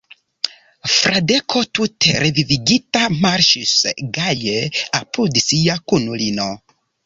Fradeko tute revivigita marŝis gaje apud sia kunulino.